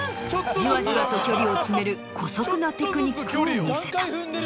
ジワジワと距離を詰める姑息なテクニックを見せた。